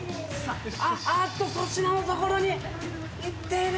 あーっと粗品のところに行っている。